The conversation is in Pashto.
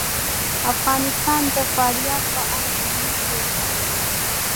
افغانستان د فاریاب په اړه علمي څېړنې لري.